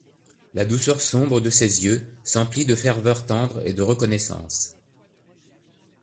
La douceur sombre de ses yeux s’emplit de ferveur tendre et de reconnaissance.